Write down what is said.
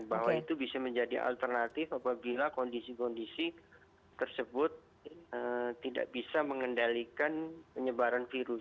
bahwa itu bisa menjadi alternatif apabila kondisi kondisi tersebut tidak bisa mengendalikan penyebaran virus